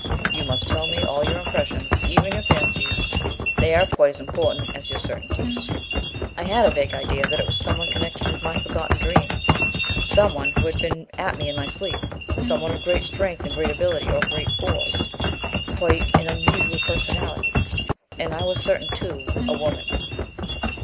"You must tell me all your impressions, even your fancies; they are quite as important as your certainties." "I had a vague idea that it was some one connected with my forgotten dream, some one who had been at me in my sleep, some one of great strength and great ability or great force quite an unusual personality and, I was certain, too a woman."